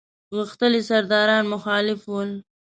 غښتلي سرداران مخالف ول.